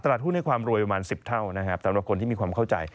หุ้นในความรวยประมาณ๑๐เท่านะครับสำหรับคนที่มีความเข้าใจ